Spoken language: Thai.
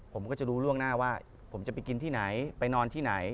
ผมก็จะรู้ล่วงหน้าว่าผมจะไปกินที่ไหนไปนอนที่ไหน